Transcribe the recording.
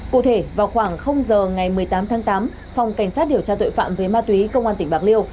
cụ thể vào khoảng giờ ngày một mươi tám tháng tám phòng cảnh sát điều tra tội phạm về ma túy công an tỉnh bạc liêu